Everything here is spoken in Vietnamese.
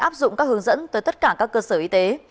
áp dụng các hướng dẫn tới tất cả các cơ sở y tế